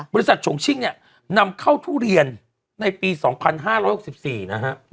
ฉงชิ่งเนี่ยนำเข้าทุเรียนในปี๒๕๖๔นะฮะ